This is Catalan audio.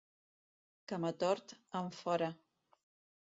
Camatort en fora.